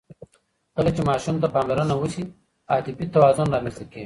کله چې ماشوم ته پاملرنه وشي، عاطفي توازن رامنځته کېږي.